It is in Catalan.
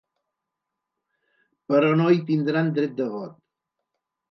Però no hi tindran dret de vot.